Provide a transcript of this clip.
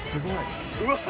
うわ！